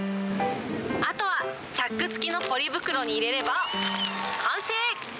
あとはチャック付きのポリ袋に入れれば完成！